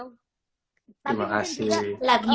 terima kasih love you